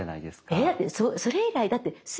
えっそれ以来だって。